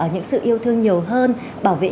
những sự yêu thương nhiều hơn bảo vệ